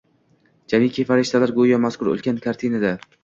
Jamiki farishtalar go‘yo mazkur ulkan kartinada.